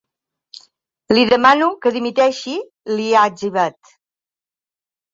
Li demano que dimiteixi, li ha etzibat.